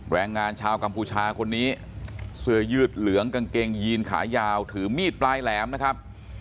แรงงานชาวกัมพูชาคนนี้เสื้อยืดเหลืองกางเกงยีนขายาวถือมีดปลายแหลมนะครับ